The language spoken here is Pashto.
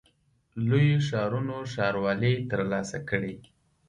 لویو ښارونو ښاروالۍ ترلاسه کړې.